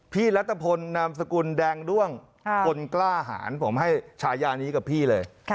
รัฐพลนามสกุลแดงด้วงคนกล้าหารผมให้ฉายานี้กับพี่เลย